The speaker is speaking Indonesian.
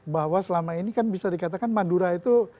bahwa selama ini kan bisa dikatakan madura itu